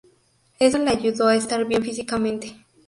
Eso le ayudó a estar bien físicamente.